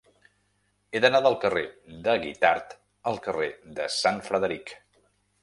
He d'anar del carrer de Guitard al carrer de Sant Frederic.